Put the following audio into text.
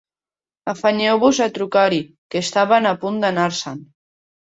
Afanyeu-vos a trucar-hi, que estaven a punt d'anar-se'n.